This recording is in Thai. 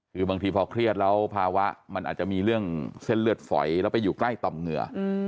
คือบางทีพอเครียดแล้วภาวะมันอาจจะมีเรื่องเส้นเลือดฝอยแล้วไปอยู่ใกล้ต่อมเหงื่อ